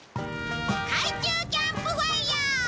「海中キャンプファイヤー」！